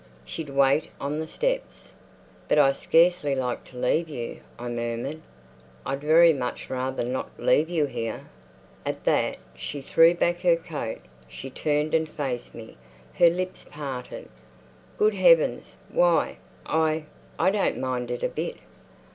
She'd wait on the steps. "But I scarcely like to leave you," I murmured. "I'd very much rather not leave you here." At that she threw back her coat; she turned and faced me; her lips parted. "Good heavens—why! I—I don't mind it a bit.